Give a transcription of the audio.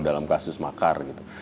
dalam kasus makar gitu